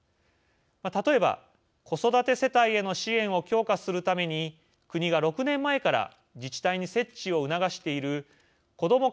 例えば、子育て世帯への支援を強化するために国が６年前から自治体に設置を促している子ども